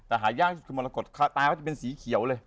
แต่หายากที่สุดคือมรกฏตาก็จะเป็นสีเขียวเลย